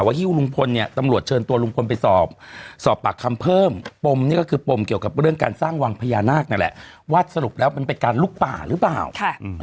ว่าลุงพลจะเป็นยังไงต่อ